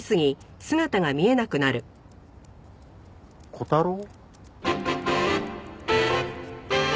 小太郎？